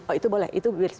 oh itu boleh itu